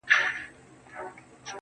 نو گراني تاته وايم.